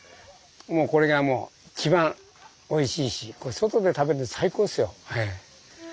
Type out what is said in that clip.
もうこれが一番おいしいし外で食べるっていうの最高ですよ。